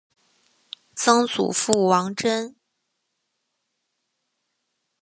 曾祖父王珍。